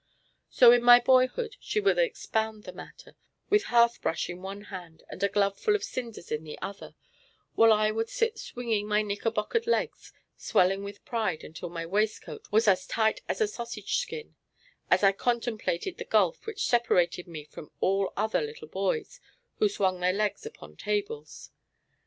So in my boyhood she would expound the matter, with hearthbrush in one hand and a glove full of cinders in the other, while I would sit swinging my knickerbockered legs, swelling with pride until my waistcoat was as tight as a sausage skin, as I contemplated the gulf which separated me from all other little boys who swang their legs upon tables.